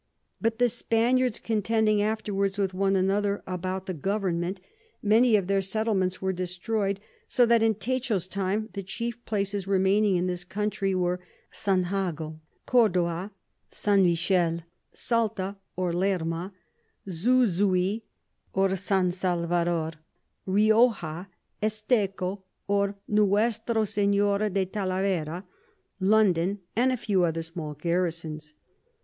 But the Spaniards contending afterwards with one another about the Government, many of their Settlements were destroy'd; so that in Techo's time the chief Places remaining in this Country were St. Jago, Cordoua, St. Michel, Salta or Lerma, Xuxui or St. Salvador, Rioja, Esteco or Nuestra Señora de Talavera, London, and a few other small Garisons.